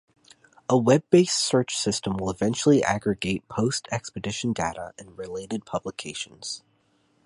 A web-based search system will eventually aggregate post-expedition data and related publications.